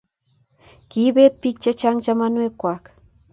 kiibet biik che chang' chamanwek kwak